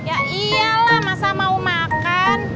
ya iyalah masa mau makan